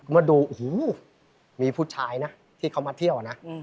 มาดูโอ้โหมีผู้ชายนะที่เขามาเที่ยวนะ